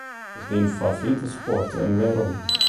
Wat is dyn favorite sport en wêrom?